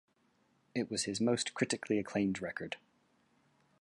It was his most critically acclaimed record.